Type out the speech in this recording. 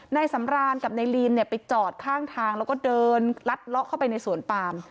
นายสำรานกับนายลีนเนี่ยไปจอดข้างทางแล้วก็เดินลัดเลาะเข้าไปในสวนปาม